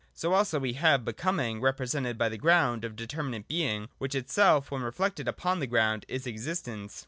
So also, we have Becoming represented by the Ground of determinate Being : which itself, when reflected upon the Ground, is Existence.